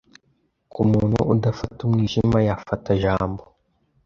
Ku muntu udafata umwijima yafata jambo